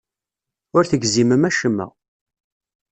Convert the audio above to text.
Ur tegzimem acemma.